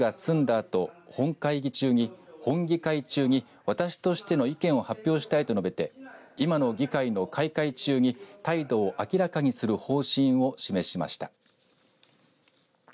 あと本議会中に私としての意見を発表したいと述べて今の議会の開会中に態度を明らかにする方針を示しました。